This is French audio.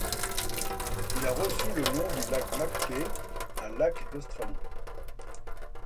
Il a reçu le nom du lac Mackay, un lac d'Australie.